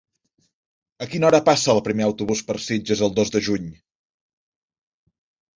A quina hora passa el primer autobús per Sitges el dos de juny?